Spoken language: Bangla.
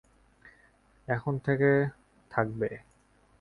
এখন থেকে থাকবে।